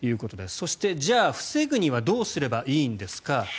そしてじゃあ防ぐにはどうすればいいんですか。